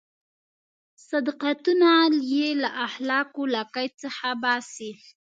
صداقتونه یې له اخلاقو له قید څخه باسي.